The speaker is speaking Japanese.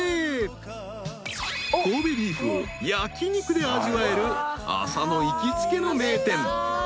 ［神戸ビーフを焼き肉で味わえる浅野行きつけの名店］